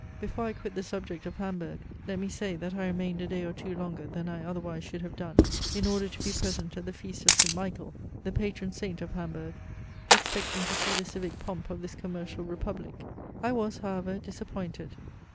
Before I quit the subject of Hamburg, let me say, that I remained a day or two longer than I otherwise should have done, in order to be present at the feast of St. Michael, the patron saint of Hamburg, expecting to see the civic pomp of this commercial Republic. I was however disappointed.